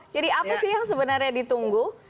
jadi apa sih yang sebenarnya ditunggu